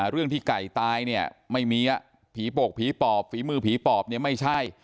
เรื่องที่ไก่ตายเนี่ยไม่มีผีโปกผีปอบฝีมือผีปอบเนี่ยไม่ใช่